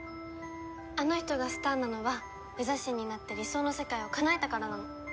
あの人がスターなのはデザ神になって理想の世界をかなえたからなの。